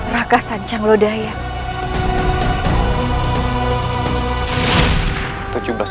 raka sanjang lo daya